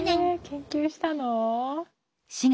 研究したの？